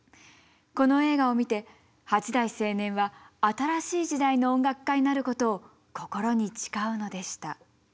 この映画を見て八大青年は新しい時代の音楽家になることを心に誓うのでした。